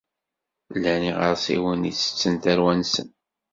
Llan iɣersiwen itetten tarwa-nsen.